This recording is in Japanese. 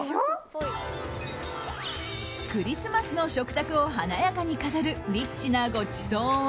クリスマスの食卓を華やかに飾るリッチなごちそうは